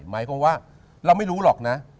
หมายความว่าเราไม่รู้หรอกนะ